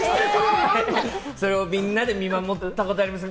それをみんなで見守ったことはあります。